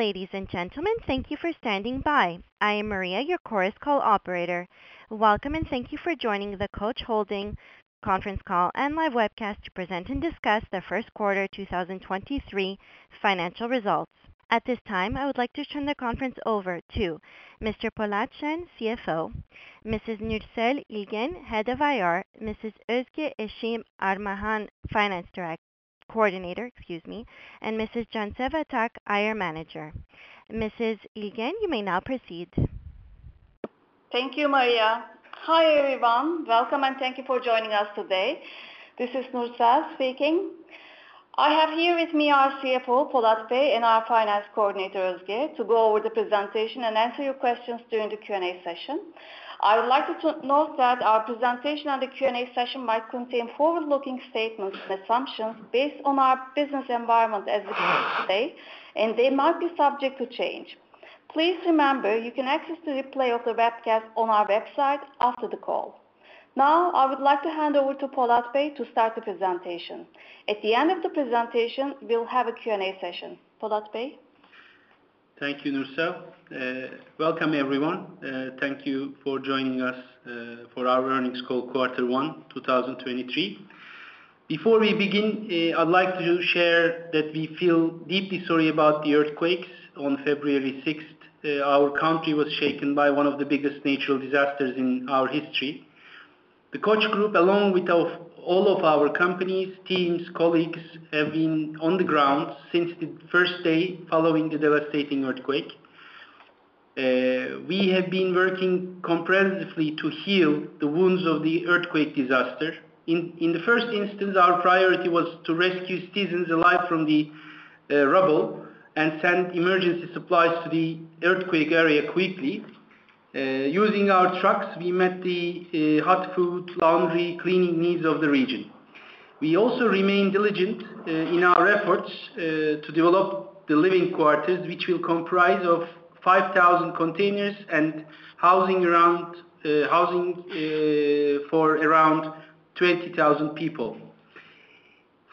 Ladies and gentlemen, thank you for standing by. I am Maria, your Chorus Call operator. Welcome and thank you for joining the Koç Holding conference call and live webcast to present and discuss the Q1 2023 financial results. At this time, I would like to turn the conference over to Mr. Polat Şen, CFO, Mrs. Nursel İlgen, Head of IR, Mrs. Özge Esim Eriman, Finance Director, Coordinator, excuse me, and Mrs. Cansev Atak, IR Manager. Mrs. Nursel İlgen, you may now proceed. Thank you, Maria. Hi everyone, welcome and thank you for joining us today. This is Nursel speaking. I have here with me our CFO, Polat Bey, and our Finance Coordinator, Özge Esim Eriman, to go over the presentation and answer your questions during the Q&A session. I would like to note that our presentation and the Q&A session might contain forward-looking statements and assumptions based on our business environment as we discuss today, and they might be subject to change. Please remember, you can access the replay of the webcast on our website after the call. Now, I would like to hand over to Polat Bey to start the presentation. At the end of the presentation, we'll have a Q&A session. Polat Bey? Thank you, Nursel İlgen. Welcome everyone. Thank you for joining us for our earnings call, quarter one 2023. Before we begin, I'd like to share that we feel deeply sorry about the earthquakes on February 6th. Our country was shaken by one of the biggest natural disasters in our history. The Koç Group, along with all of our companies, teams, colleagues, have been on the ground since the first day following the devastating earthquake. We have been working comprehensively to heal the wounds of the earthquake disaster. In the first instance, our priority was to rescue citizens alive from the rubble and send emergency supplies to the earthquake area quickly. Using our trucks, we met the hot food, laundry, cleaning needs of the region. We also remained diligent in our efforts to develop the living quarters, which will comprise of 5,000 containers and housing for around 20,000 people.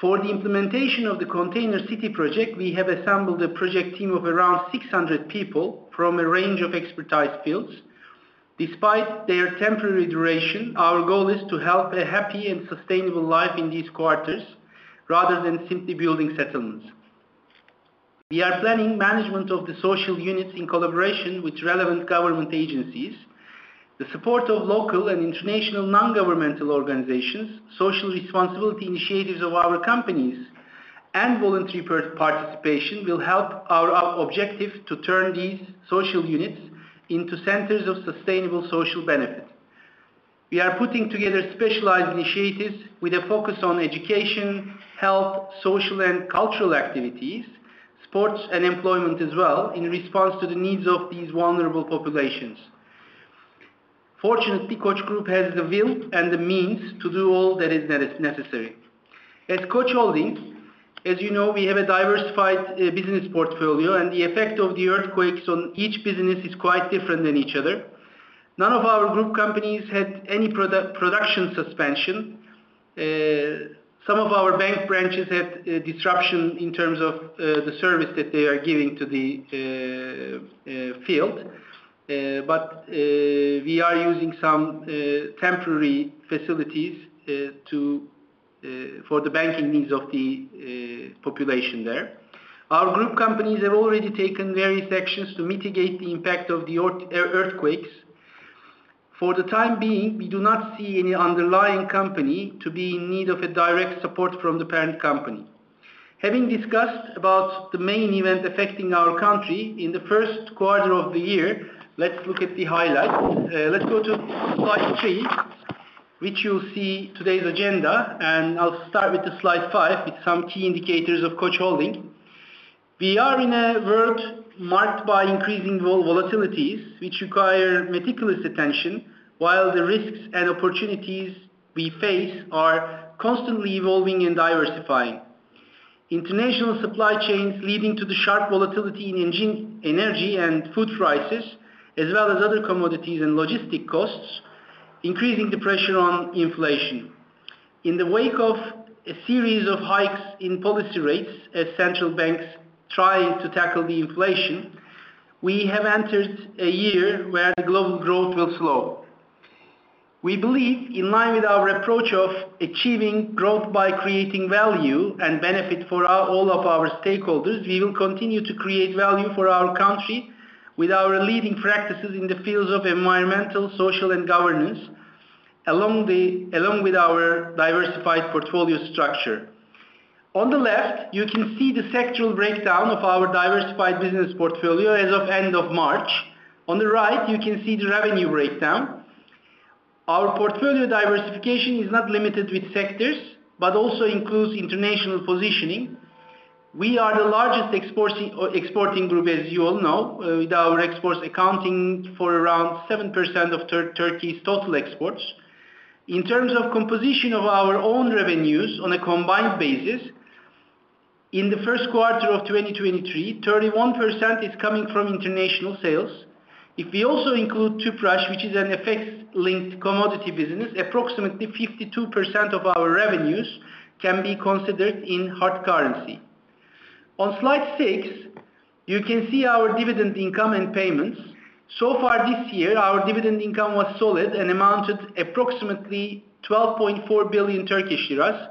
For the implementation of the container city project, we have assembled a project team of around 600 people from a range of expertise fields. Despite their temporary duration, our goal is to help a happy and sustainable life in these quarters rather than simply building settlements. We are planning management of the social units in collaboration with relevant government agencies. The support of local and international non-governmental organizations, social responsibility initiatives of our companies, and voluntary participation will help our objective to turn these social units into centers of sustainable social benefit. We are putting together specialized initiatives with a focus on education, health, social and cultural activities, sports, and employment as well, in response to the needs of these vulnerable populations. Fortunately, Koç Group has the will and the means to do all that is necessary. At Koç Holding, as you know, we have a diversified business portfolio, and the effect of the earthquakes on each business is quite different than each other. None of our group companies had any production suspension. Some of our bank branches had disruption in terms of the service that they are giving to the field, but we are using some temporary facilities for the banking needs of the population there. Our group companies have already taken various actions to mitigate the impact of the earthquakes. For the time being, we do not see any underlying company to be in need of direct support from the parent company. Having discussed about the main event affecting our country in the Q1 of the year, let's look at the highlights. Let's go to slide three, which you'll see today's agenda, and I'll start with slide five with some key indicators of Koç Holding. We are in a world marked by increasing volatilities, which require meticulous attention, while the risks and opportunities we face are constantly evolving and diversifying. International supply chains are leading to sharp volatility in energy and food prices, as well as other commodities and logistic costs, increasing the pressure on inflation. In the wake of a series of hikes in policy rates as central banks try to tackle the inflation, we have entered a year where the global growth will slow. We believe, in line with our approach of achieving growth by creating value and benefit for all of our stakeholders, we will continue to create value for our country with our leading practices in the fields of environmental, social, and governance, along with our diversified portfolio structure. On the left, you can see the sectoral breakdown of our diversified business portfolio as of end of March. On the right, you can see the revenue breakdown. Our portfolio diversification is not limited with sectors, but also includes international positioning. We are the largest exporting group, as you all know, with our exports accounting for around 7% of Turkey's total exports. In terms of composition of our own revenues on a combined basis, in the Q1 of 2023, 31% is coming from international sales. If we also include Tüpraş, which is an FX-linked commodity business, approximately 52% of our revenues can be considered in hard currency. On slide six, you can see our dividend income and payments. So far this year, our dividend income was solid and amounted to approximately 12.4 billion Turkish lira,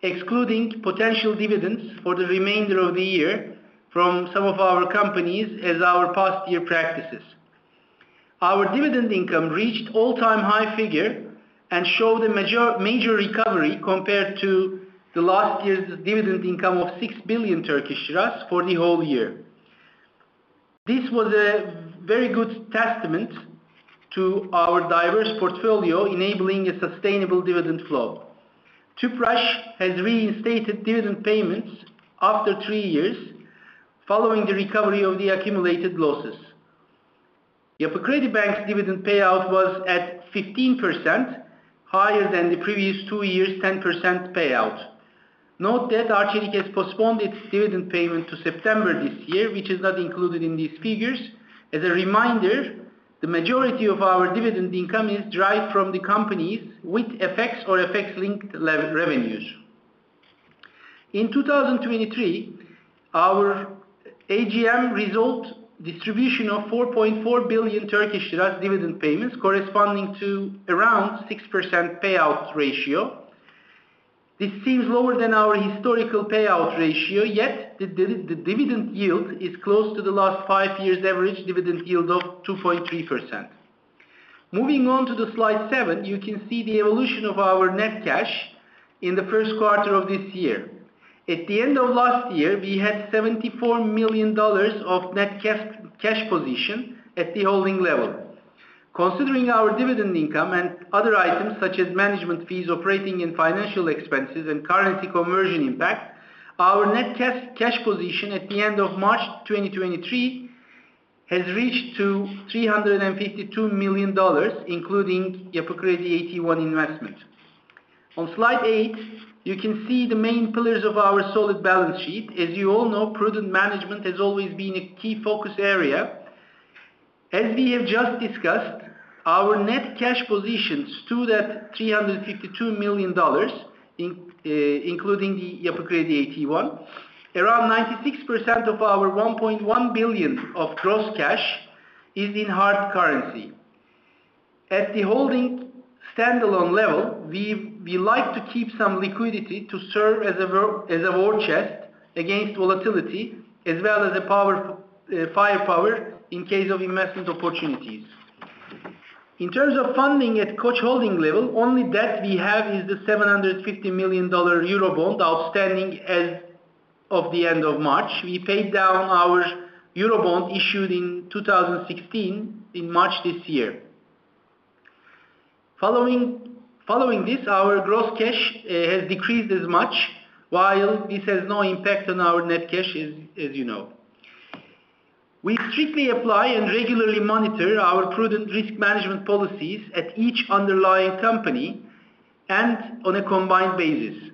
excluding potential dividends for the remainder of the year from some of our companies as our past year practices. Our dividend income reached an all-time high figure and showed a major recovery compared to last year's dividend income of 6 billion for the whole year. This was a very good testament to our diverse portfolio, enabling a sustainable dividend flow. Tüpraş has reinstated dividend payments after three years following the recovery of the accumulated losses. Yapı Kredi Bank's dividend payout was at 15%, higher than the previous two years' 10% payout. Note that Arçelik has postponed its dividend payment to September this year, which is not included in these figures. As a reminder, the majority of our dividend income is derived from the companies with FX or FX-linked revenues. In 2023, our AGM resulted in a distribution of 4.4 billion in dividend payments, corresponding to around a 6% payout ratio. This seems lower than our historical payout ratio, yet the dividend yield is close to the last five years' average dividend yield of 2.3%. Moving on to slide seven, you can see the evolution of our net cash in the Q1 of this year. At the end of last year, we had $74 million of net cash position at the holding level. Considering our dividend income and other items such as management fees, operating and financial expenses, and currency conversion impact, our net cash position at the end of March 2023 has reached $352 million, including Yapı Kredi 81 investment. On slide eight, you can see the main pillars of our solid balance sheet. As you all know, prudent management has always been a key focus area. As we have just discussed, our net cash position stood at $352 million, including Yapı Kredi 81. Around 96% of our $1.1 billion of gross cash is in hard currency. At the holding standalone level, we like to keep some liquidity to serve as a war chest against volatility, as well as a firepower in case of investment opportunities. In terms of funding at Koç Holding level, the only debt we have is the $750 million Eurobond outstanding as of the end of March. We paid down our Eurobond issued in 2016 in March this year. Following this, our gross cash has decreased as much, while this has no impact on our net cash, as you know. We strictly apply and regularly monitor our prudent risk management policies at each underlying company and on a combined basis.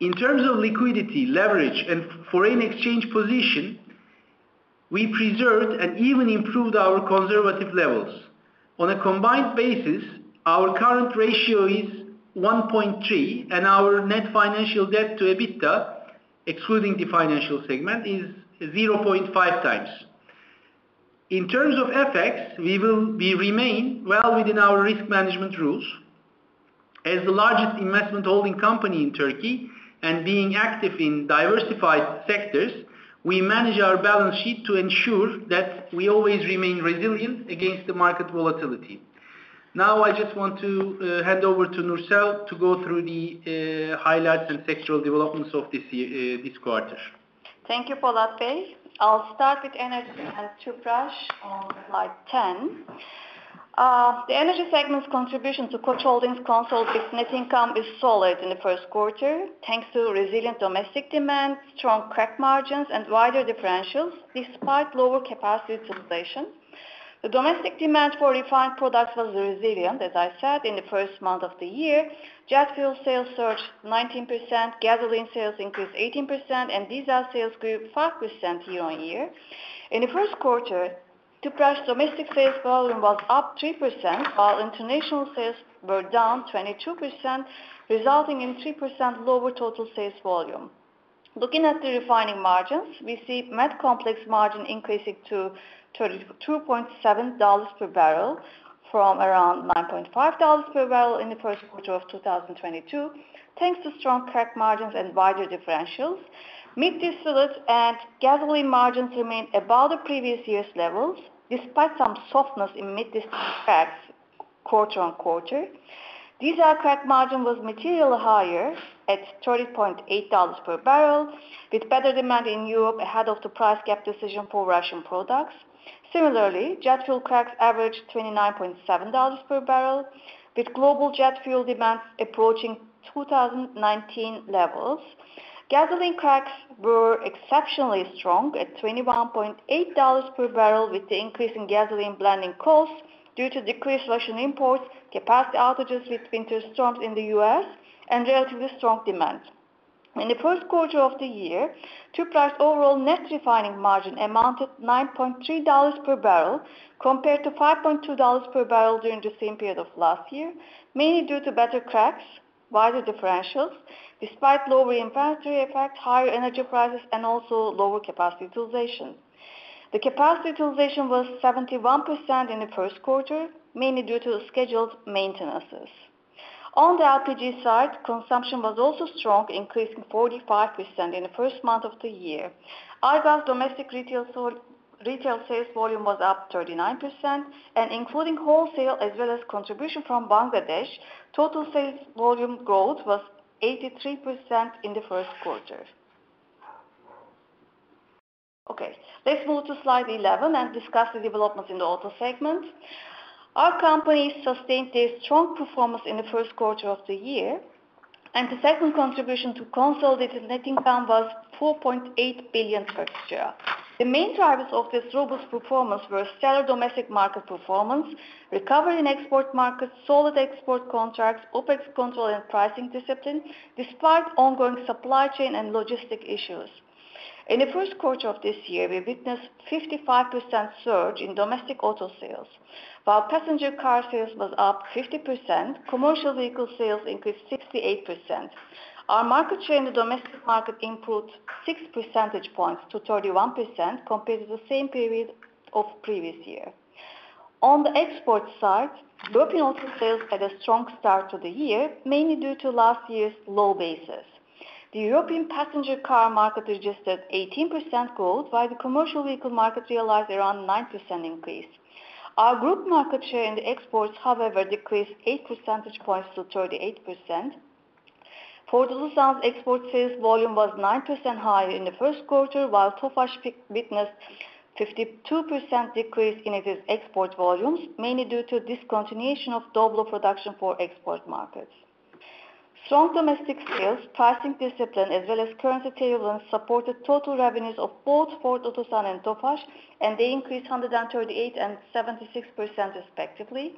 In terms of liquidity, leverage, and foreign exchange position, we preserved and even improved our conservative levels. On a combined basis, our current ratio is 1.3, and our net financial debt to EBITDA, excluding the financial segment, is 0.5 times. In terms of FX, we remain well within our risk management rules. As the largest investment holding company in Turkey and being active in diversified sectors, we manage our balance sheet to ensure that we always remain resilient against the market volatility. Now, I just want to hand over to Nursel İlgen to go through the highlights and sectoral developments of this quarter. Thank you, Polat Bey. I'll start with energy and Tüpraş on slide 10. The energy segment's contribution to Koç Holding's consolidated net income is solid in the Q1, thanks to resilient domestic demand, strong crack margins, and wider differentials, despite lower capacity utilization. The domestic demand for refined products was resilient, as I said, in the first month of the year. Jet fuel sales surged 19%, gasoline sales increased 18%, and diesel sales grew 5% year-on-year. In the Q1, Tüpraş' domestic sales volume was up 3%, while international sales were down 22%, resulting in a 3% lower total sales volume. Looking at the refining margins, we see Med Complex margin increasing to $2.7 per barrel from around $9.5 per barrel in the Q1 of 2022, thanks to strong crack margins and wider differentials. Middle distillate and gasoline margins remained above the previous year's levels, despite some softness in middle distillate cracks quarter-on-quarter. Diesel crack margin was materially higher at $30.8 per barrel, with better demand in Europe ahead of the price cap decision for Russian products. Similarly, jet fuel cracks averaged $29.7 per barrel, with global jet fuel demand approaching 2019 levels. Gasoline cracks were exceptionally strong at $21.8 per barrel, with the increase in gasoline blending costs due to decreased Russian imports, capacity outages with winter storms in the U.S., and relatively strong demand. In the Q1 of the year, Tüpraş' overall net refining margin amounted to $9.3 per barrel, compared to $5.2 per barrel during the same period of last year, mainly due to better cracks, wider differentials, despite lower inventory effect, higher energy prices, and also lower capacity utilization. The capacity utilization was 71% in the Q1, mainly due to scheduled maintenances. On the LPG side, consumption was also strong, increasing 45% in the first month of the year. Aygaz's domestic retail sales volume was up 39%, and including wholesale as well as contribution from Bangladesh, total sales volume growth was 83% in the Q1. Okay, let's move to slide 11 and discuss the developments in the auto segment. Our companies sustained their strong performance in the Q1 of the year, and the second contribution to consolidated net income was 4.8 billion. The main drivers of this robust performance were stellar domestic market performance, recovery in export markets, solid export contracts, OPEX control, and pricing discipline, despite ongoing supply chain and logistic issues. In the Q1 of this year, we witnessed a 55% surge in domestic auto sales. While passenger car sales were up 50%, commercial vehicle sales increased 68%. Our market share in the domestic market improved 6 percentage points to 31% compared to the same period of the previous year. On the export side, European auto sales had a strong start to the year, mainly due to last year's low basis. The European passenger car market registered 18% growth, while the commercial vehicle market realized around a 9% increase. Our group market share in the exports, however, decreased 8 percentage points to 38%. For the Otosan's export sales, volume was 9% higher in the Q1, while Tofaş witnessed a 52% decrease in its export volumes, mainly due to discontinuation of Doblo production for export markets. Strong domestic sales, pricing discipline, as well as currency turbulence, supported total revenues of both Ford Otosan and Tofaş, and they increased 138% and 76% respectively.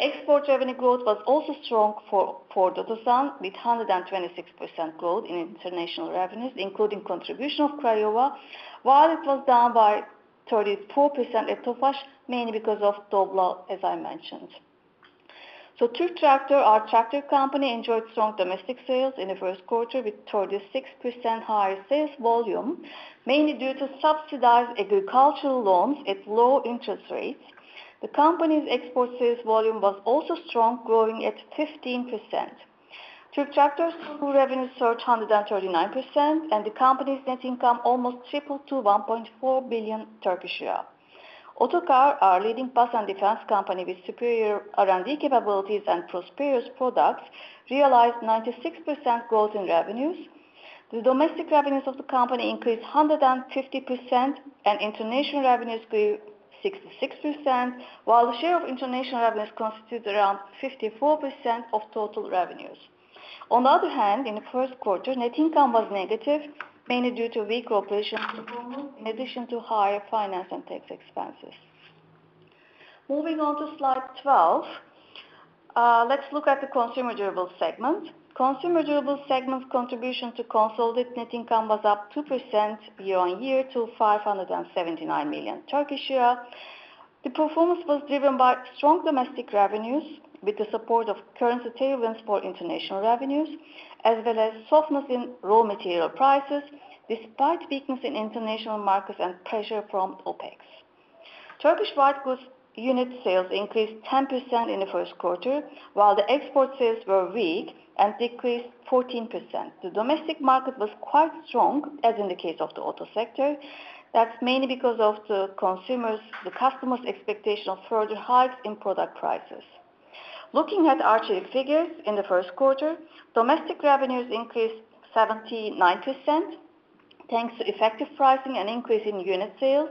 Export revenue growth was also strong for Ford Otosan, with 126% growth in international revenues, including contribution of Craiova, while it was down by 34% at Tofaş, mainly because of Doblo, as I mentioned. So Türk Traktör, our tractor company, enjoyed strong domestic sales in the Q1, with 36% higher sales volume, mainly due to subsidized agricultural loans at low interest rates. The company's export sales volume was also strong, growing at 15%. Türk Traktör's total revenue surged 139%, and the company's net income almost tripled to 1.4 billion Turkish lira. Otokar, our leading bus and defense company with superior R&D capabilities and prosperous products, realized 96% growth in revenues. The domestic revenues of the company increased 150%, and international revenues grew 66%, while the share of international revenues constituted around 54% of total revenues. On the other hand, in the Q1, net income was negative, mainly due to weaker operational performance, in addition to higher finance and tax expenses. Moving on to slide 12, let's look at the consumer durable segment. Consumer durable segment contribution to consolidated net income was up 2% year on year to 579 million TRY. The performance was driven by strong domestic revenues with the support of currency turbulence for international revenues, as well as softness in raw material prices, despite weakness in international markets and pressure from OPEX. Turkish white goods unit sales increased 10% in the Q1, while the export sales were weak and decreased 14%. The domestic market was quite strong, as in the case of the auto sector. That's mainly because of the customers' expectation of further hikes in product prices. Looking at Arçelik figures in the Q1, domestic revenues increased 70% to 90%, thanks to effective pricing and increase in unit sales,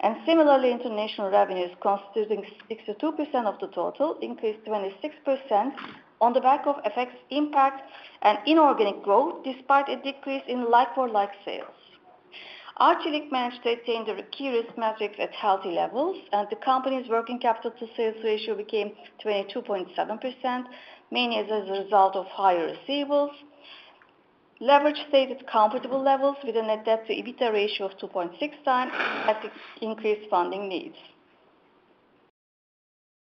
and similarly, international revenues constituting 62% of the total increased 26% on the back of FX impact and inorganic growth, despite a decrease in like-for-like sales. Arçelik managed to attain the key metrics at healthy levels, and the company's working capital to sales ratio became 22.7%, mainly as a result of higher receivables. Leverage stayed at comfortable levels, with a net debt to EBITDA ratio of 2.6 times, as it increased funding needs.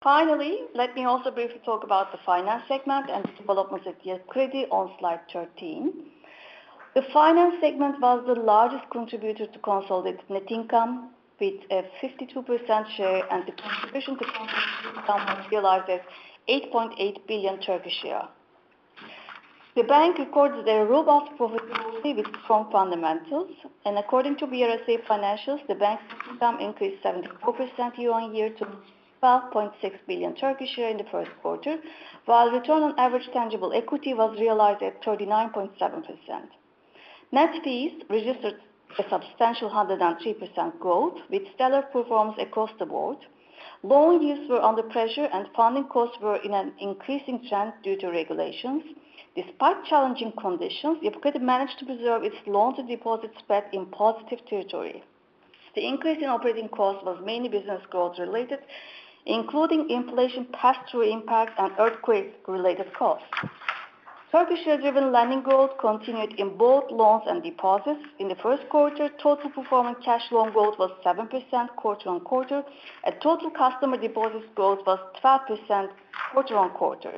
Finally, let me also briefly talk about the finance segment and the developments at Yapı Kredi on slide 13. The finance segment was the largest contributor to consolidated net income, with a 52% share, and the contribution to consolidated net income was realized at 8.8 billion Turkish lira. The bank recorded a robust profitability with strong fundamentals, and according to BRSA Financials, the bank's net income increased 74% year-on-year to 12.6 billion in the Q1, while return on average tangible equity was realized at 39.7%. Net fees registered a substantial 103% growth, with stellar performance across the board. Loan yields were under pressure, and funding costs were in an increasing trend due to regulations. Despite challenging conditions, Yapı Kredi managed to preserve its loan-to-deposit spread in positive territory. The increase in operating costs was mainly business growth-related, including inflation pass-through impact and earthquake-related costs. Turkish share-driven lending growth continued in both loans and deposits. In the Q1, total performance cash loan growth was 7% quarter-on-quarter, and total customer deposits growth was 12% quarter-on-quarter.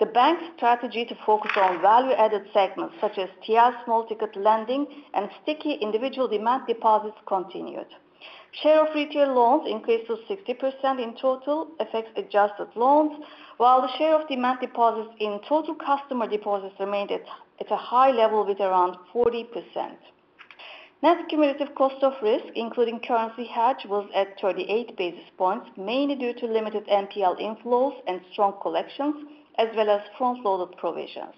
The bank's strategy to focus on value-added segments, such as TL small ticket lending and sticky individual demand deposits, continued. Share of retail loans increased to 60% in total FX adjusted loans, while the share of demand deposits in total customer deposits remained at a high level with around 40%. Net cumulative cost of risk, including currency hedge, was at 38 basis points, mainly due to limited NPL inflows and strong collections, as well as front-loaded provisions.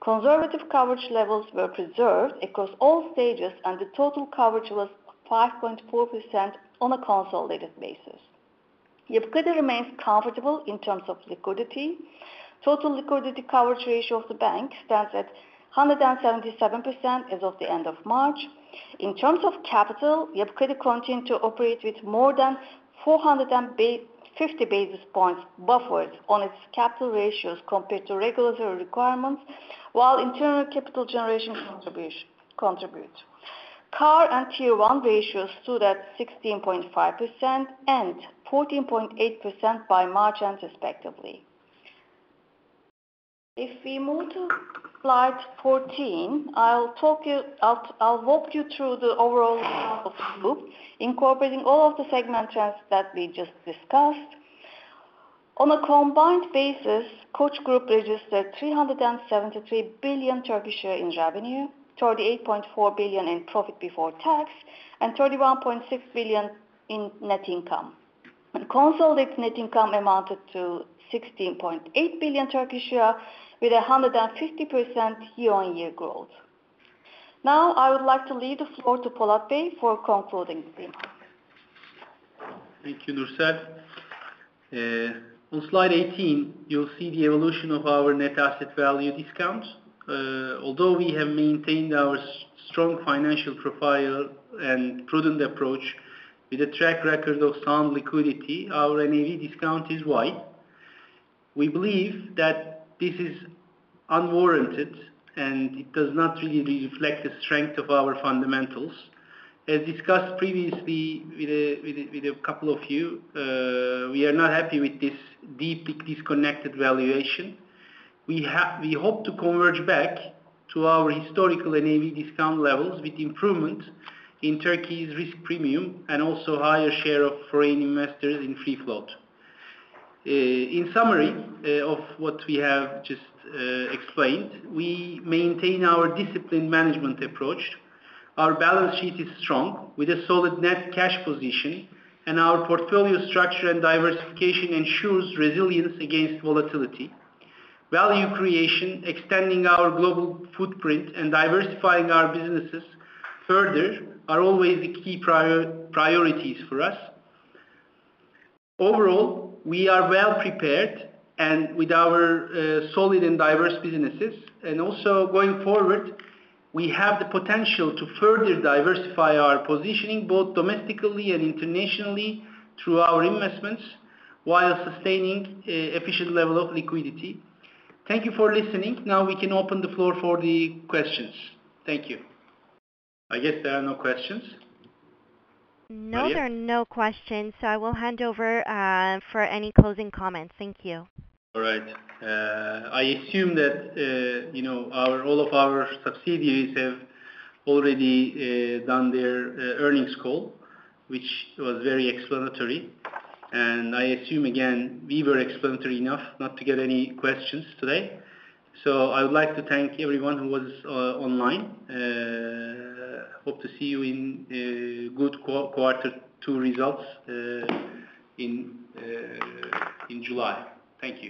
Conservative coverage levels were preserved across all stages, and the total coverage was 5.4% on a consolidated basis. Yapı Kredi remains comfortable in terms of liquidity. Total liquidity coverage ratio of the bank stands at 177% as of the end of March. In terms of capital, Yapı Kredi continued to operate with more than 450 basis points buffered on its capital ratios compared to regulatory requirements, while internal capital generation contributes. CAR and Q1 ratios stood at 16.5% and 14.8% by March end, respectively. If we move to slide 14, I'll walk you through the overall group, incorporating all of the segment trends that we just discussed. On a combined basis, Koç Group registered 373 billion in revenue, 38.4 billion in profit before tax, and 31.6 billion in net income. Consolidated net income amounted to 16.8 billion, with a 150% year-on-year growth. Now, I would like to leave the floor to Polat Bey for concluding the demo. Thank you, Nursel İlgen. On slide 18, you'll see the evolution of our net asset value discounts. Although we have maintained our strong financial profile and prudent approach with a track record of sound liquidity, our NAV discount is wide. We believe that this is unwarranted, and it does not really reflect the strength of our fundamentals. As discussed previously with a couple of you, we are not happy with this deeply disconnected valuation. We hope to converge back to our historical NAV discount levels with improvements in Turkey's risk premium and also higher share of foreign investors in free float. In summary of what we have just explained, we maintain our disciplined management approach. Our balance sheet is strong with a solid net cash position, and our portfolio structure and diversification ensures resilience against volatility. Value creation, extending our global footprint, and diversifying our businesses further are always the key priorities for us. Overall, we are well prepared and with our solid and diverse businesses, and also, going forward, we have the potential to further diversify our positioning both domestically and internationally through our investments while sustaining an efficient level of liquidity. Thank you for listening. Now we can open the floor for the questions. Thank you. I guess there are no questions. No, there are no questions, so I will hand over for any closing comments. Thank you. All right. I assume that all of our subsidiaries have already done their earnings call, which was very explanatory. And I assume, again, we were explanatory enough not to get any questions today. So I would like to thank everyone who was online. Hope to see you in good Q2 results in July. Thank you.